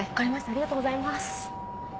ありがとうございます。